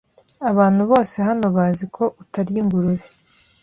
Abantu bose hano bazi ko utarya ingurube.